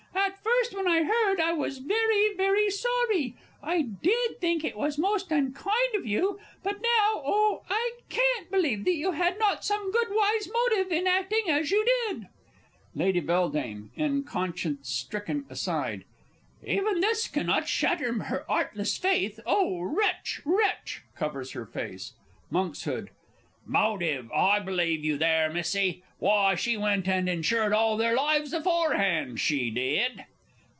At first when I heard, I was very, very sorry. I did think it was most unkind of you. But now, oh, I can't believe that you had not some good, wise motive, in acting as you did! Lady B. (in conscience stricken aside). Even this cannot shatter her artless faith ... Oh, wretch, wretch! [Covers her face. Monks. Motive I believe you there, Missie. Why, she went and insured all their lives aforehand, she did.